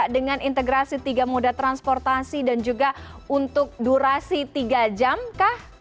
dengan integrasi tiga moda transportasi dan juga untuk durasi tiga jam kah